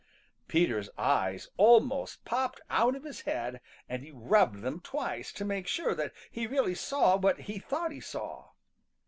Peter's eyes almost popped out of his head, and he rubbed them twice to make sure that he really saw what he thought he saw.